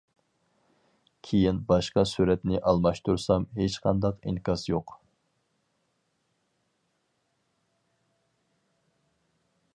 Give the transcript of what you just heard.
كىيىن باشقا سۈرەتنى ئالماشتۇرسام ھېچقانداق ئىنكاس يوق.